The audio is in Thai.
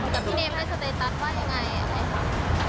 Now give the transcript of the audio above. กับพี่เนมให้สเตตัสว่ายังไงอะไรคะ